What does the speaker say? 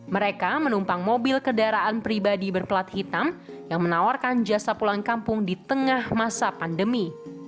mereka menumpang mobil kendaraan pribadi berplat hitam yang menawarkan jasa pulang kampung di tengah masa pandemi